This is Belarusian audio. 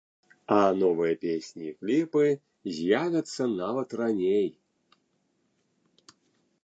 А новыя песні і кліпы з'явяцца нават раней.